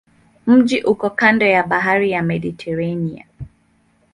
Mji uko kando ya bahari ya Mediteranea.